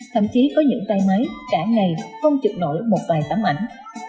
thậm chí có những tay máy cả ngày không trực nổi một vài tấm ảnh